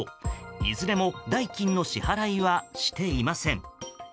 いずれも代金の支払いはしていません。